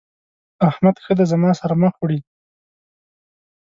احمد ښه دی زما سره مخ وړي.